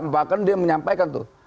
bahkan dia menyampaikan tuh